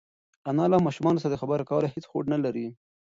انا له ماشوم سره د خبرو کولو هېڅ هوډ نهلري.